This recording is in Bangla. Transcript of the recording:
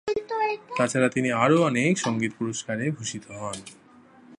তাছাড়া তিনি আরও অনেক সংগীত পুরস্কারে ভূষিত হন।